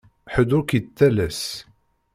Ḥedd ur k-yettalas.